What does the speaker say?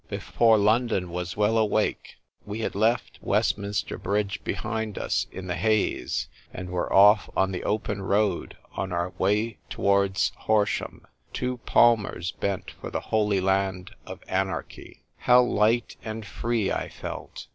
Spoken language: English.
Before London was well awake we had left West minster Bridge behind us in the haze, and were off on the open road, on our way towards Horsham, two palmers bent for the Holy Land of Anarch3^ 50 THE TVriC WUITEK (;IRL. How light and free I felt